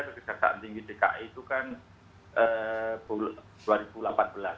kejaksaan tinggi dki itu kan dua ribu delapan belas